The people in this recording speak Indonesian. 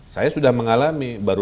saya sudah mengalami baru